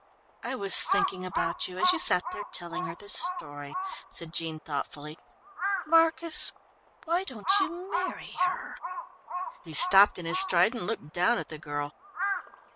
"I was thinking about you, as you sat there telling her the story," said Jean thoughtfully. "Marcus, why don't you marry her?" He stopped in his stride and looked down at the girl.